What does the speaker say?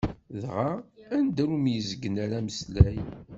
Dɣa anda ur myezgen ara ameslay.